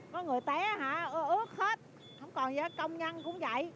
có người té hả ướt hết không còn gì công nhân cũng vậy